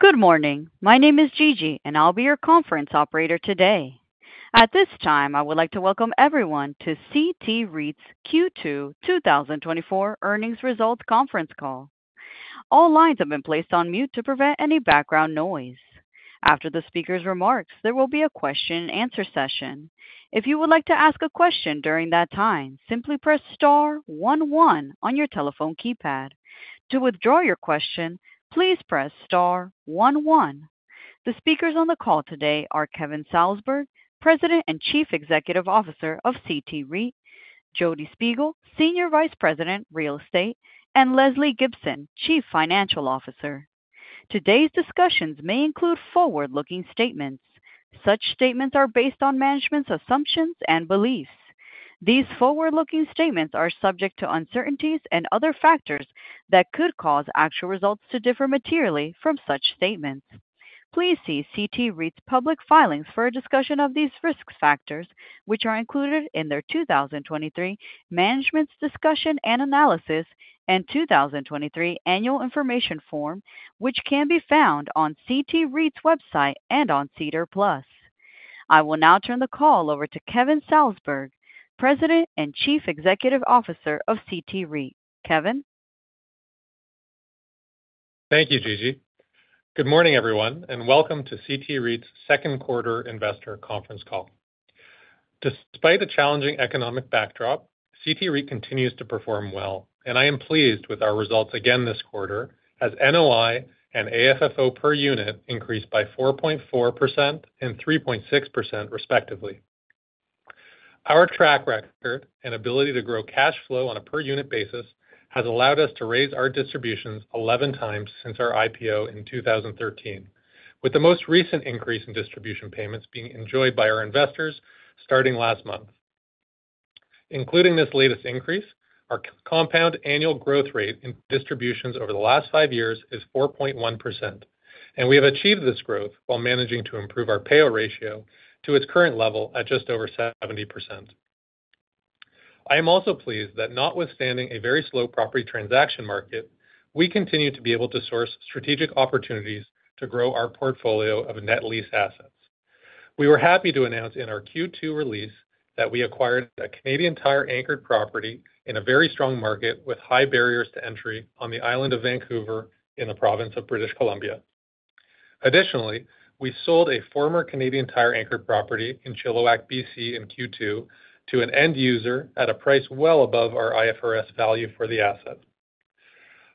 Good morning. My name is Gigi, and I'll be your conference operator today. At this time, I would like to welcome everyone to CT REIT's Q2 2024 Earnings Results Conference Call. All lines have been placed on mute to prevent any background noise. After the speaker's remarks, there will be a question and answer session. If you would like to ask a question during that time, simply press star one one on your telephone keypad. To withdraw your question, please press star one one. The speakers on the call today are Kevin Salsberg, President and Chief Executive Officer of CT REIT; Jodi Shpigel, Senior Vice President, Real Estate; and Lesley Gibson, Chief Financial Officer. Today's discussions may include forward-looking statements. Such statements are based on management's assumptions and beliefs. These forward-looking statements are subject to uncertainties and other factors that could cause actual results to differ materially from such statements. Please see CT REIT's public filings for a discussion of these risk factors, which are included in their 2023 Management's Discussion and Analysis and 2023 Annual Information Form, which can be found on CT REIT's website and on SEDAR+. I will now turn the call over to Kevin Salsberg, President and Chief Executive Officer of CT REIT. Kevin? Thank you, Gigi. Good morning, everyone, and welcome to CT REIT's second quarter investor conference call. Despite a challenging economic backdrop, CT REIT continues to perform well, and I am pleased with our results again this quarter, as NOI and AFFO per unit increased by 4.4% and 3.6%, respectively. Our track record and ability to grow cash flow on a per unit basis has allowed us to raise our distributions 11 times since our IPO in 2013, with the most recent increase in distribution payments being enjoyed by our investors starting last month. Including this latest increase, our compound annual growth rate in distributions over the last five years is 4.1%, and we have achieved this growth while managing to improve our payout ratio to its current level at just over 70%. I am also pleased that notwithstanding a very slow property transaction market, we continue to be able to source strategic opportunities to grow our portfolio of net lease assets. We were happy to announce in our Q2 release that we acquired a Canadian Tire-anchored property in a very strong market with high barriers to entry on Vancouver Island in the province of British Columbia. Additionally, we sold a former Canadian Tire-anchored property in Chilliwack, BC, in Q2 to an end user at a price well above our IFRS value for the asset.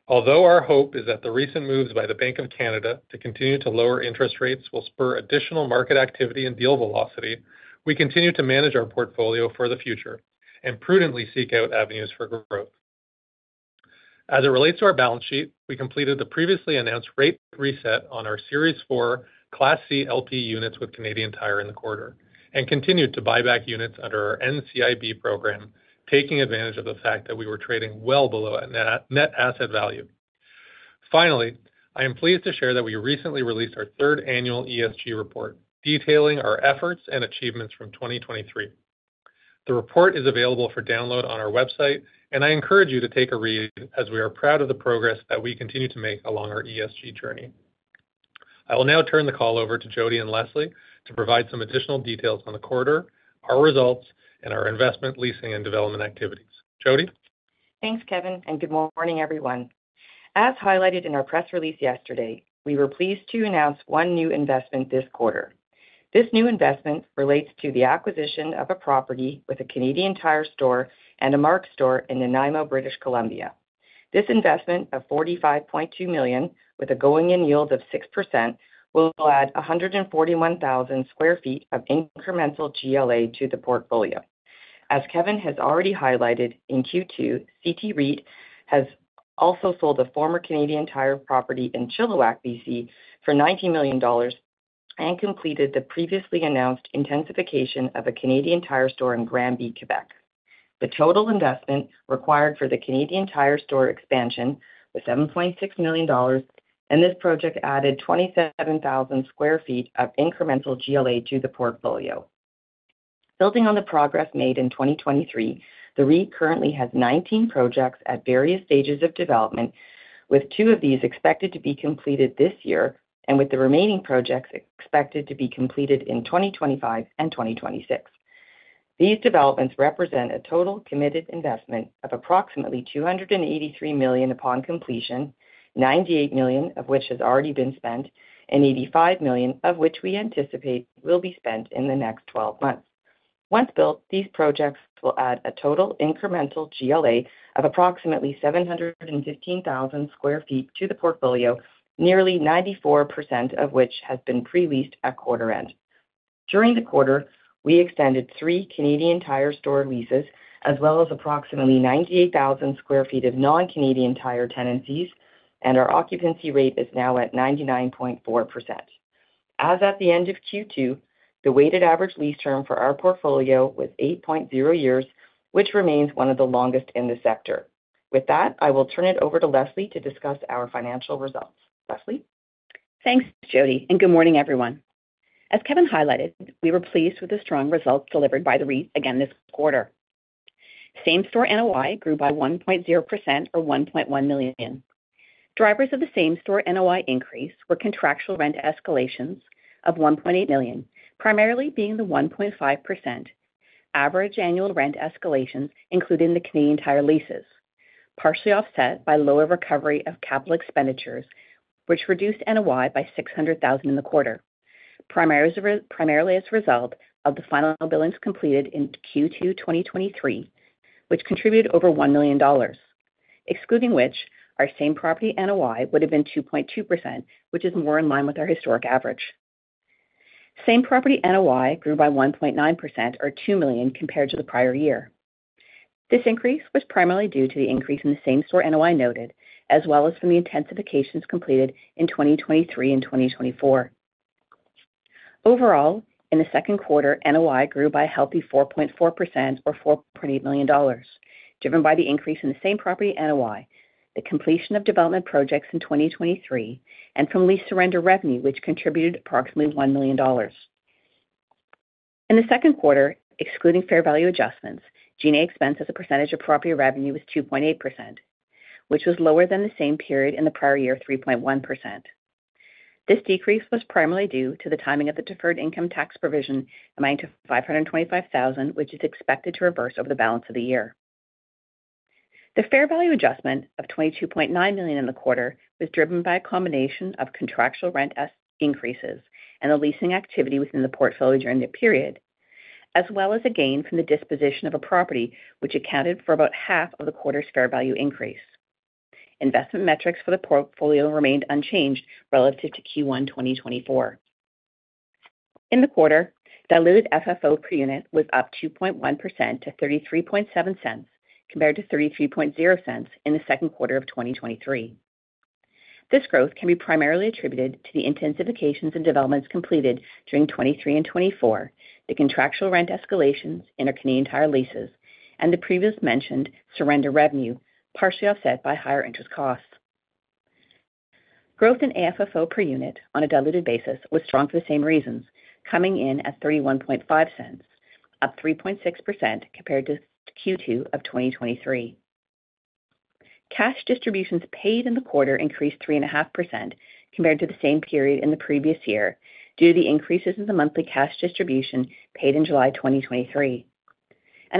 Although our hope is that the recent moves by the Bank of Canada to continue to lower interest rates will spur additional market activity and deal velocity, we continue to manage our portfolio for the future and prudently seek out avenues for growth. As it relates to our balance sheet, we completed the previously announced rate reset on our Series 4 Class C LP units with Canadian Tire in the quarter, and continued to buy back units under our NCIB program, taking advantage of the fact that we were trading well below our net asset value. Finally, I am pleased to share that we recently released our third annual ESG report, detailing our efforts and achievements from 2023. The report is available for download on our website, and I encourage you to take a read, as we are proud of the progress that we continue to make along our ESG journey. I will now turn the call over to Jodi and Lesley to provide some additional details on the quarter, our results, and our investment, leasing, and development activities. Jodi? Thanks, Kevin, and good morning, everyone. As highlighted in our press release yesterday, we were pleased to announce one new investment this quarter. This new investment relates to the acquisition of a property with a Canadian Tire store and a Mark's store in Nanaimo, British Columbia. This investment of 45.2 million, with a going-in yield of 6%, will add 141,000 sq ft of incremental GLA to the portfolio. As Kevin has already highlighted, in Q2, CT REIT has also sold a former Canadian Tire property in Chilliwack, BC, for 19 million dollars and completed the previously announced intensification of a Canadian Tire store in Granby, Quebec. The total investment required for the Canadian Tire store expansion was 7.6 million dollars, and this project added 27,000 sq ft of incremental GLA to the portfolio. Building on the progress made in 2023, the REIT currently has 19 projects at various stages of development, with two of these expected to be completed this year and with the remaining projects expected to be completed in 2025 and 2026. These developments represent a total committed investment of approximately 283 million upon completion, 98 million of which has already been spent, and 85 million of which we anticipate will be spent in the next twelve months. Once built, these projects will add a total incremental GLA of approximately 715,000 sq ft to the portfolio, nearly 94% of which has been pre-leased at quarter end. During the quarter, we extended three Canadian Tire store leases, as well as approximately 98,000 sq ft of non-Canadian Tire tenancies, and our occupancy rate is now at 99.4%. As at the end of Q2, the weighted average lease term for our portfolio was 8.0 years, which remains one of the longest in the sector. With that, I will turn it over to Lesley to discuss our financial results. Lesley? Thanks, Jodi, and good morning, everyone. As Kevin highlighted, we were pleased with the strong results delivered by the REIT again this quarter.... Same-store NOI grew by 1.0% or 1.1 million. Drivers of the same-store NOI increase were contractual rent escalations of 1.8 million, primarily being the 1.5% average annual rent escalations, including the Canadian Tire leases, partially offset by lower recovery of capital expenditures, which reduced NOI by 600,000 in the quarter. Primarily as a result of the final billings completed in Q2 2023, which contributed over 1 million dollars, excluding which our same property NOI would have been 2.2%, which is more in line with our historic average. Same property NOI grew by 1.9% or 2 million compared to the prior year. This increase was primarily due to the increase in the same-store NOI noted, as well as from the intensifications completed in 2023 and 2024. Overall, in the second quarter, NOI grew by a healthy 4.4% or 4.8 million dollars, driven by the increase in the same property NOI, the completion of development projects in 2023, and from lease surrender revenue, which contributed approximately 1 million dollars. In the second quarter, excluding fair value adjustments, G&A expense as a percentage of property revenue was 2.8%, which was lower than the same period in the prior year, 3.1%. This decrease was primarily due to the timing of the deferred income tax provision, amounting to 525,000, which is expected to reverse over the balance of the year. The fair value adjustment of 22.9 million in the quarter was driven by a combination of contractual rent increases and the leasing activity within the portfolio during the period, as well as a gain from the disposition of a property which accounted for about half of the quarter's fair value increase. Investment metrics for the portfolio remained unchanged relative to Q1 2024. In the quarter, diluted FFO per unit was up 2.1% to 0.337, compared to 0.330 in the second quarter of 2023. This growth can be primarily attributed to the intensifications and developments completed during 2023 and 2024, the contractual rent escalations in our Canadian Tire leases, and the previously mentioned surrender revenue, partially offset by higher interest costs. Growth in AFFO per unit on a diluted basis was strong for the same reasons, coming in at 0.315, up 3.6% compared to Q2 of 2023. Cash distributions paid in the quarter increased 3.5% compared to the same period in the previous year, due to the increases in the monthly cash distribution paid in July 2023.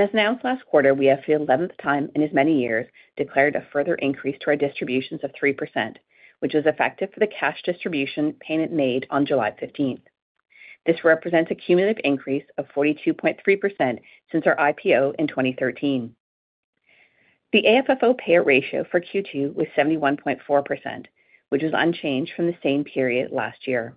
As announced last quarter, we, for the eleventh time in as many years, declared a further increase to our distributions of 3%, which was effective for the cash distribution payment made on July fifteenth. This represents a cumulative increase of 42.3% since our IPO in 2013. The AFFO payout ratio for Q2 was 71.4%, which was unchanged from the same period last year.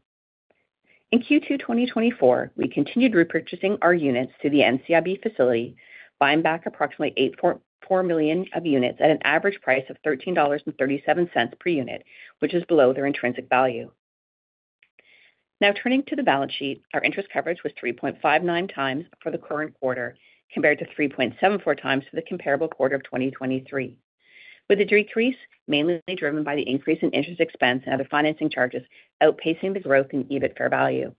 In Q2 2024, we continued repurchasing our units through the NCIB facility, buying back approximately 8.4 million units at an average price of 13.37 dollars per unit, which is below their intrinsic value. Now, turning to the balance sheet. Our interest coverage was 3.59 times for the current quarter, compared to 3.74 times for the comparable quarter of 2023, with the decrease mainly driven by the increase in interest expense and other financing charges, outpacing the growth in EBIT fair value.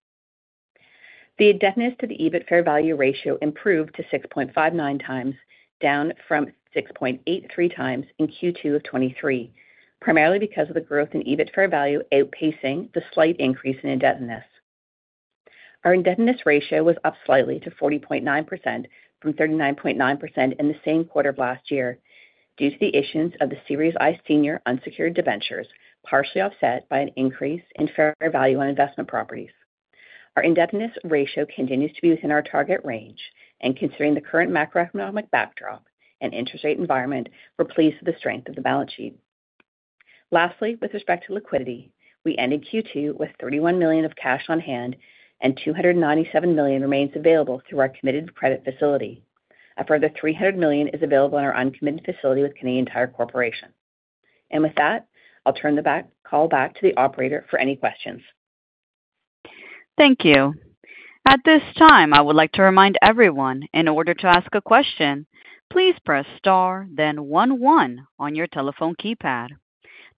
The indebtedness to the EBIT fair value ratio improved to 6.59 times, down from 6.83 times in Q2 of 2023, primarily because of the growth in EBIT fair value outpacing the slight increase in indebtedness. Our indebtedness ratio was up slightly to 40.9% from 39.9% in the same quarter of last year, due to the issuance of the Series I Senior Unsecured Debentures, partially offset by an increase in fair value on investment properties. Our indebtedness ratio continues to be within our target range, and considering the current macroeconomic backdrop and interest rate environment, we're pleased with the strength of the balance sheet. Lastly, with respect to liquidity, we ended Q2 with 31 million of cash on hand and 297 million remains available through our committed credit facility. A further 300 million is available in our uncommitted facility with Canadian Tire Corporation. And with that, I'll turn the call back to the operator for any questions. Thank you. At this time, I would like to remind everyone, in order to ask a question, please press star then one, one on your telephone keypad.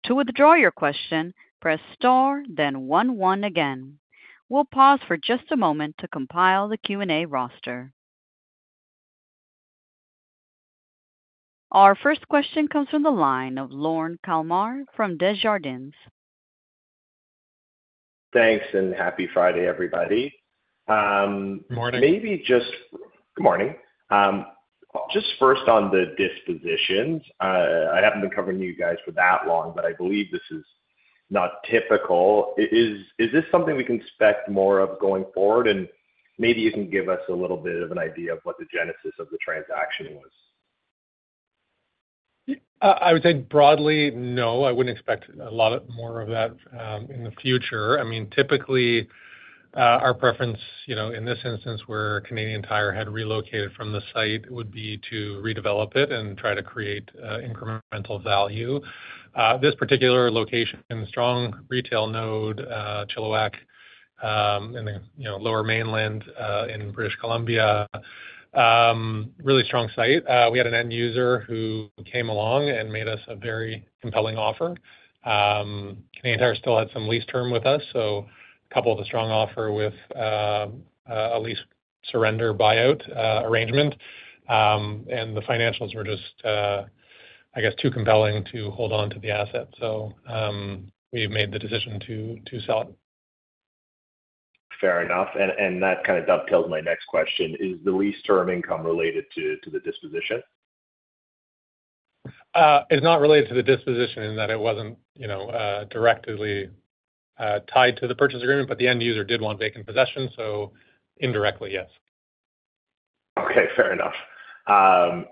To withdraw your question, press star then one, one again. We'll pause for just a moment to compile the Q&A roster. Our first question comes from the line of Lorne Kalmar from Desjardins. Thanks, and happy Friday, everybody. Morning. Good morning. Just first on the dispositions. I haven't been covering you guys for that long, but I believe this is not typical. Is this something we can expect more of going forward? And maybe you can give us a little bit of an idea of what the genesis of the transaction was. I would say broadly, no, I wouldn't expect a lot more of that in the future. I mean, typically, our preference, you know, in this instance, where Canadian Tire had relocated from the site, would be to redevelop it and try to create incremental value. This particular location, strong retail node, Chilliwack, in the, you Lower Mainland, in British Columbia, really strong site. We had an end user who came along and made us a very compelling offer. Canadian Tire still had some lease term with us, couple of the strong offer with a lease surrender buyout arrangement. And the financials were just, I guess, too compelling to hold on to the asset. So, we have made the decision to sell it. Fair enough. And that kind of dovetails my next question: Is the lease term income related to the disposition? It's not related to the disposition in that it wasn't, you know, directly tied to the purchase agreement, but the end user did want vacant possession, so indirectly, yes. Okay, fair enough.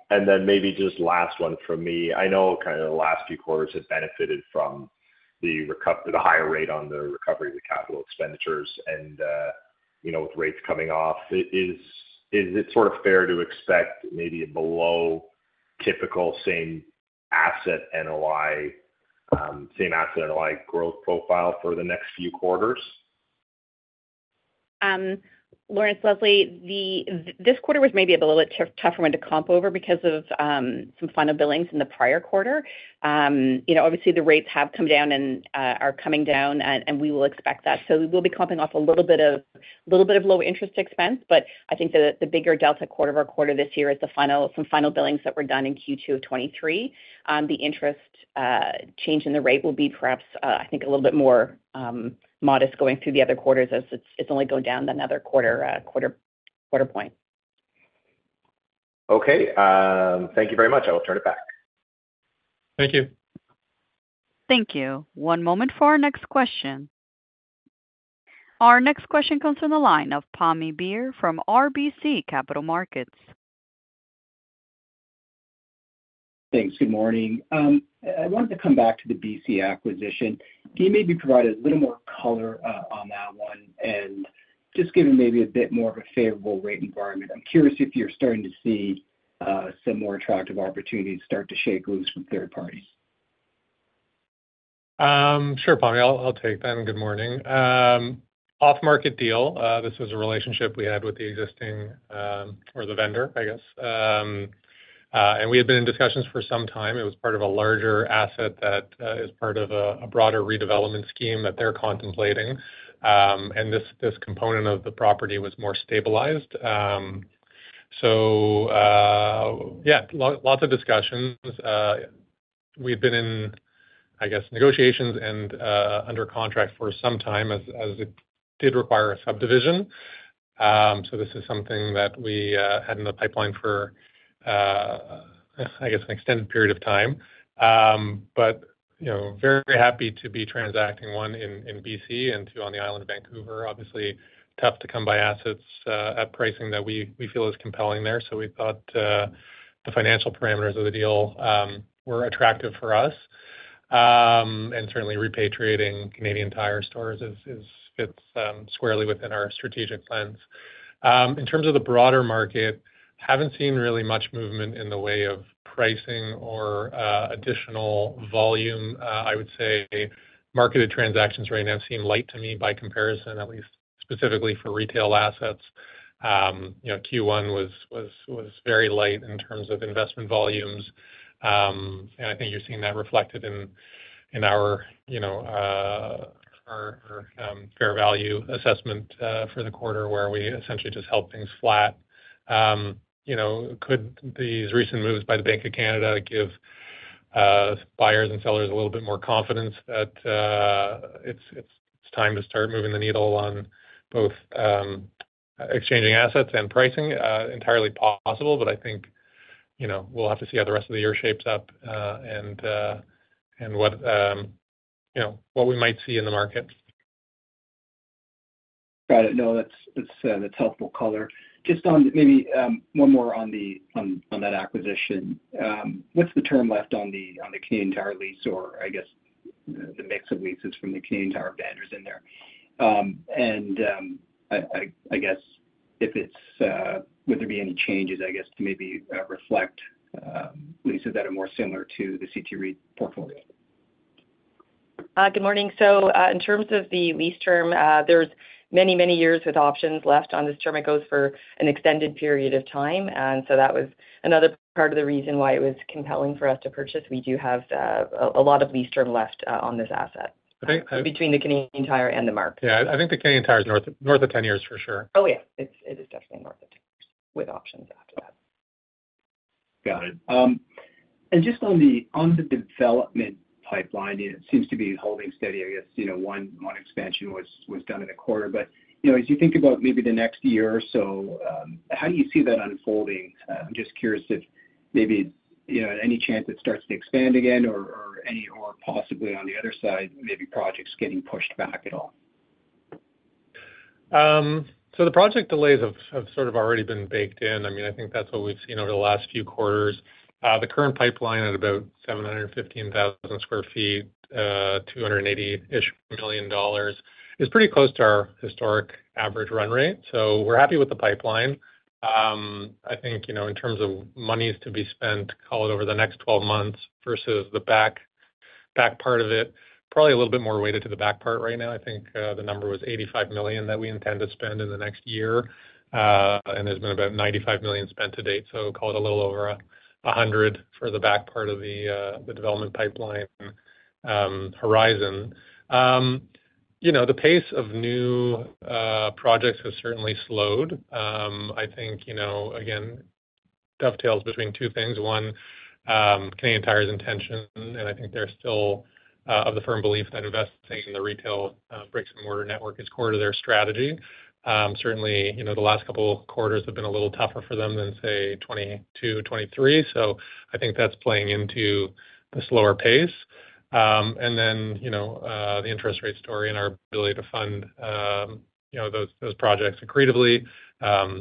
And then maybe just last one from me. I know kind of the last few quarters have benefited from the higher rate on the recovery of the capital expenditures. And you know, with rates coming off, is it sort of fair to expect maybe a below typical same asset NOI, same asset NOI growth profile for the next few quarters? Lorne, Lesley, this quarter was maybe a little bit tough, tougher one to comp over because of some final billings in the prior quarter. You know, obviously, the rates have come down and are coming down, and we will expect that. So we will be comping off a little bit of low interest expense, but I think the bigger delta quarter-over-quarter this year is some final billings that were done in Q2 of 2023. The interest change in the rate will be perhaps, I think, a little bit more modest going through the other quarters as it's only going down another quarter point. Okay. Thank you very much. I will turn it back. Thank you. Thank you. One moment for our next question. Our next question comes from the line of Pammi Bir from RBC Capital Markets. Thanks. Good morning. I wanted to come back to the BC acquisition. Can you maybe provide a little more color on that one? And just given maybe a bit more of a favorable rate environment, I'm curious if you're starting to see some more attractive opportunities start to shake loose from third parties. Sure, Pammi. I'll take that, and good morning. Off-market deal, this was a relationship we had with the existing or the vendor, I guess. And we had been in discussions for some time. It was part of a larger asset that is part of a broader redevelopment scheme that they're contemplating. And this component of the property was more stabilized. So, yeah, lots of discussions. We've been in, I guess, negotiations and under contract for some time as it did require a subdivision. So this is something that we had in the pipeline for, I guess, an extended period of time. But, you know, very happy to be transacting, one, in BC, and two, on Vancouver Island. Obviously, tough to come by assets at pricing that we feel is compelling there. So we thought the financial parameters of the deal were attractive for us. And certainly repatriating Canadian Tire stores fits squarely within our strategic plans. In terms of the broader market, haven't seen really much movement in the way of pricing or additional volume. I would say marketed transactions right now seem light to me by comparison, at least specifically for retail assets. You know, Q1 was very light in terms of investment volumes. And I think you're seeing that reflected in our fair value assessment for the quarter, where we essentially just held things flat. You know, could these recent moves by the Bank of Canada give buyers and sellers a little bit more confidence that it's time to start moving the needle on both exchanging assets and pricing? Entirely possible, but I think, you know, we'll have to see how the rest of the year shapes up, and what you know, what we might see in the market. Got it. No, that's, it's, that's helpful color. Just on maybe one more on that acquisition. What's the term left on the Canadian Tire lease, or I guess, the mix of leases from the Canadian Tire banners in there? And, I guess, if it's... Would there be any changes, I guess, to maybe reflect leases that are more similar to the CT REIT portfolio? Good morning. So, in terms of the lease term, there's many, many years with options left on this term. It goes for an extended period of time, and so that was another part of the reason why it was compelling for us to purchase. We do have a lot of lease term left on this asset- I think. Between the Canadian Tire and the Mark's. Yeah, I think the Canadian Tire is north of, north of 10 years, for sure. Oh, yeah, it is definitely north of 10 years, with options after that. Got it. And just on the, on the development pipeline, it seems to be holding steady. I guess, you know, one, one expansion was, was done in a quarter, but, you know, as you think about maybe the next year or so, how do you see that unfolding? I'm just curious if maybe, you know, any chance it starts to expand again or, or any-- or possibly on the other side, maybe projects getting pushed back at all. So the project delays have sort of already been baked in. I mean, I think that's what we've seen over the last few quarters. The current pipeline at about 715,000 sq ft, 280-ish million dollars, is pretty close to our historic average run rate. So we're happy with the pipeline. I think, you know, in terms of monies to be spent, call it over the next 12 months versus the back part of it, probably a little bit more weighted to the back part right now. I think the number was 85 million that we intend to spend in the next year. And there's been about 95 million spent to date, so call it a little over a hundred for the back part of the development pipeline horizon. You know, the pace of new projects has certainly slowed. I think, you know, again, dovetails between two things. One, Canadian Tire's intention, and I think they're still of the firm belief that investing in the retail bricks and mortar network is core to their strategy. Certainly, you know, the last couple of quarters have been a little tougher for them than, say, 2022, 2023. So I think that's playing into the slower pace. And then, you know, the interest rate story and our ability to fund, you know, those projects accretively,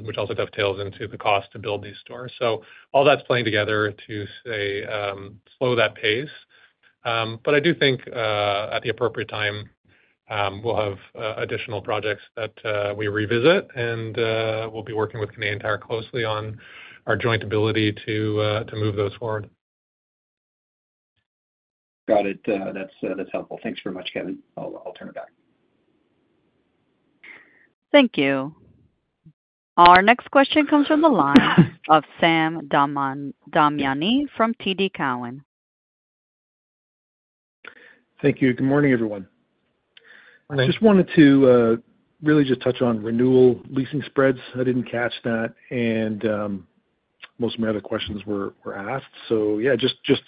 which also dovetails into the cost to build these stores. So all that's playing together to say, slow that pace. But I do think, at the appropriate time, we'll have additional projects that we revisit, and we'll be working with Canadian Tire closely on our joint ability to move those forward. Got it. That's, that's helpful. Thanks very much, Kevin. I'll, I'll turn it back. Thank you. Our next question comes from the line of Sam Damiani from TD Cowen. Thank you. Good morning, everyone. Good morning. Just wanted to really just touch on renewal leasing spreads. I didn't catch that, and most of my other questions were asked. So yeah, just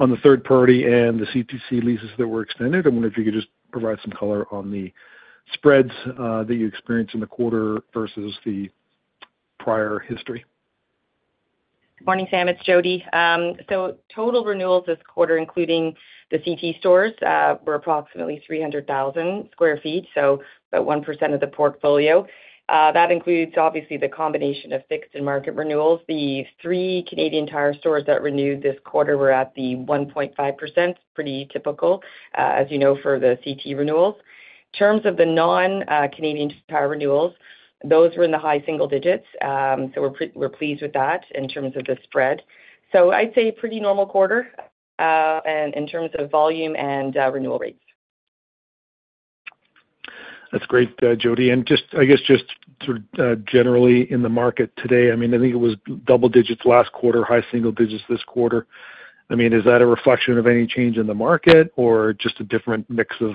on the third party and the CTC leases that were extended, I wonder if you could just provide some color on the spreads that you experienced in the quarter versus the prior history. Morning, Sam, it's Jodi. So total renewals this quarter, including the CT stores, were approximately 300,000 sq ft, so about 1% of the portfolio. That includes, obviously, the combination of fixed and market renewals. The three Canadian Tire stores that renewed this quarter were at the 1.5%. Pretty typical, as you know, for the CT renewals. In terms of the non-Canadian Tire renewals, those were in the high single digits, so we're pleased with that in terms of the spread. So I'd say pretty normal quarter, and in terms of volume and renewal rates. That's great, Jodi. And just, I guess, just sort of, generally in the market today, I mean, I think it was double digits last quarter, high single digits this quarter. I mean, is that a reflection of any change in the market or just a different mix of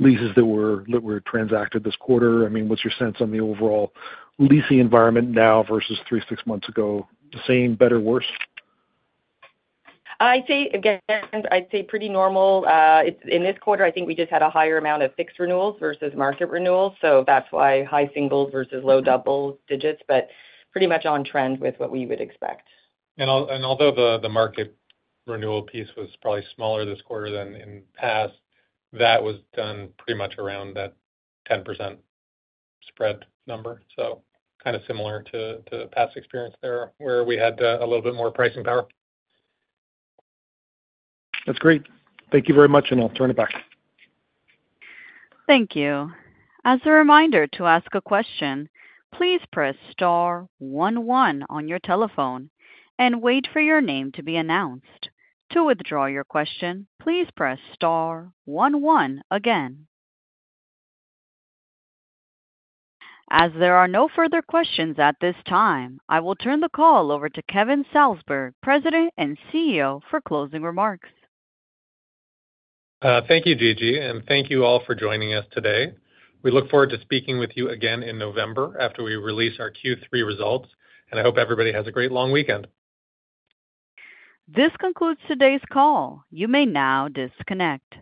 leases that were transacted this quarter? I mean, what's your sense on the overall leasing environment now versus three, six months ago? The same, better, worse? I'd say, again, I'd say pretty normal. It's in this quarter, I think we just had a higher amount of fixed renewals versus market renewals, so that's why high singles versus low double digits, but pretty much on trend with what we would expect. And although the market renewal piece was probably smaller this quarter than in past, that was done pretty much around that 10% spread number. So kind of similar to the past experience there, where we had a little bit more pricing power. That's great. Thank you very much, and I'll turn it back. Thank you. As a reminder to ask a question, please press star one one on your telephone and wait for your name to be announced. To withdraw your question, please press star one one again. As there are no further questions at this time, I will turn the call over to Kevin Salsberg, President and CEO, for closing remarks. Thank you, Gigi, and thank you all for joining us today. We look forward to speaking with you again in November after we release our Q3 results, and I hope everybody has a great long weekend. This concludes today's call. You may now disconnect.